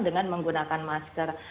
dengan menggunakan masker